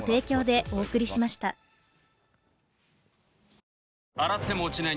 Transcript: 今夜、大洗っても落ちない